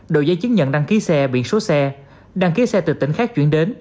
đội giấy chứng nhận đăng ký xe biển số xe đăng ký xe từ tỉnh khác chuyển đến